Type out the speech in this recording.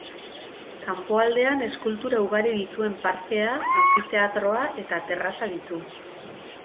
Kanpoaldean eskultura ugari dituen parkea, anfiteatroa eta terraza ditu.